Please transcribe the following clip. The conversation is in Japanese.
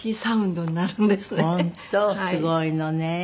すごいのね。